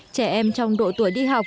trẻ em trong độ tuổi đi học